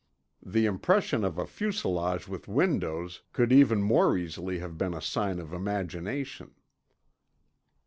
The impression of a fuselage with windows could even more easily have been a sign of imagination."